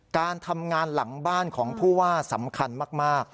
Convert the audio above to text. การทำงานหลังบ้านของผู้ว่าสำคัญมาก